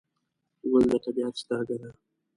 ګل د طبیعت سترګه ده.